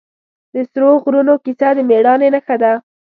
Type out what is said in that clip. د سرو غرونو کیسه د مېړانې نښه ده.